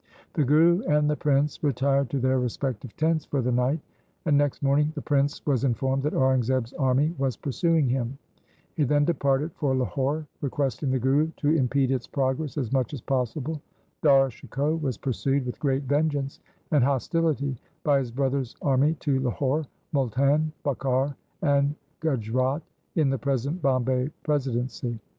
The Guru and the prince retired to their respective tents for the night, and next morning the prince was informed that Aurangzeb's army was pursuing him. He then departed for Lahore requesting the Guru to LIFE OF GURU HAR RAI 303 impede its progress as much as possible. Dara Shikoh was pursued with great vengeance and hostility by his brother's army to Lahore, Multan, Bhakhar, and Gujrat in the present Bombay presi dency.